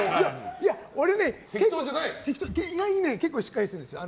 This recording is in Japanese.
俺ね、結構意外に結構しっかりしているんですよ。